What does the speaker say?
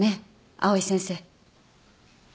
藍井先生。